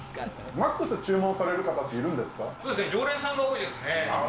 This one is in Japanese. マックス注文される方っていそうですね、常連さんが多いですね。